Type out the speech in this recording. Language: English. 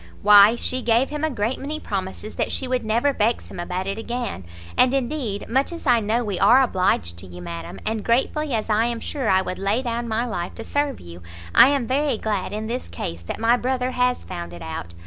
"Why she gave him a great many promises that she would never vex him about it again; and indeed, much as I know we are obliged to you, madam, and gratefully as I am sure I would lay down my life to serve you, I am very glad in this case that my brother has found it out.